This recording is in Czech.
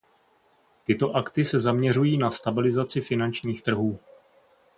Tyto akty se zaměřují na stabilizaci finančních trhů.